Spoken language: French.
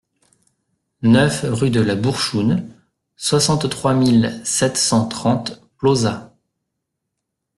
neuf rue de la Bourchoune, soixante-trois mille sept cent trente Plauzat